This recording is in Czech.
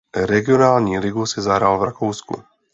Regionální ligu si zahrál v Rakousku.